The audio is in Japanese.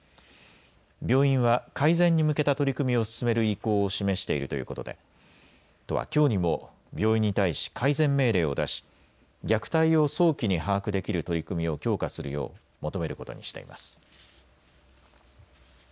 病院は改善に向けた取り組みを進める意向を示しているということで都はきょうにも病院に対し改善命令を出し虐待を早期に把握できる取り組みを強化するよう求めることにしています。